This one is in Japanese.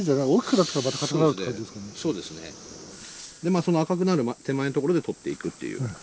そうですね。で赤くなる手前のところで取っていくっていう。